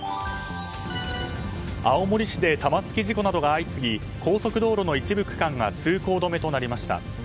青森市で玉突き事故などが相次ぎ高速道路の一部区間が通行止めとなりました。